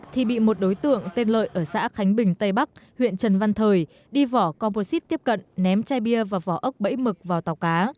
thì bị một đối tượng tên lợi ở xã khánh bình tây bắc huyện trần văn thời đi vỏ composite tiếp cận ném chai bia và vỏ ốc bẫy mực vào tàu cá